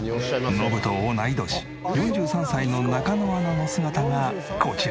ノブと同い年４３歳の中野アナの姿がこちら。